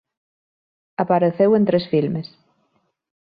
Apareceu en tres filmes.